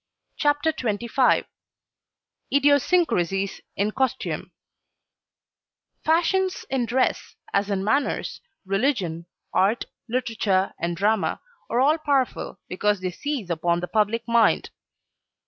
CHAPTER XXV IDIOSYNCRASIES IN COSTUME Fashions in dress as in manners, religion, art, literature and drama, are all powerful because they seize upon the public mind.